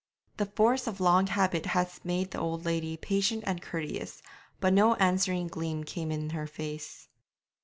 The force of long habit had made the old lady patient and courteous, but no answering gleam came in her face.